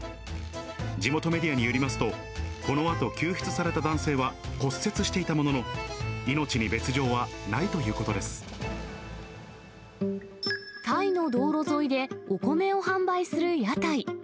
地元メディアによりますと、このあと救出された男性は骨折していたものの、タイの道路沿いでお米を販売する屋台。